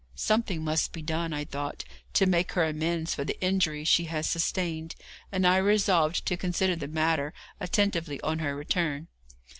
Something must be done, I thought, to make her amends for the injury she had sustained, and I resolved to consider the matter attentively on her return.